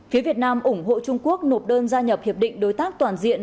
phía việt nam ủng hộ trung quốc nộp đơn gia nhập hiệp định đối tác toàn diện